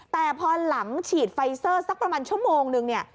แต่พอหลังฉีดไฟเซอร์สักประมาณชั่วโมงนึงเนี่ย